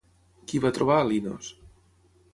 Qui va trobar a Linos?